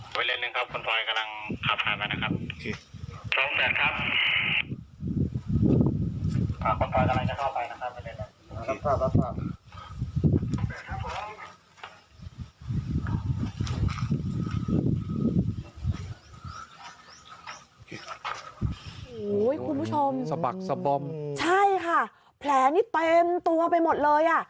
โหคุณผู้ชมใช่ค่ะแผลนี่เต็มตัวไปหมดเลยอะ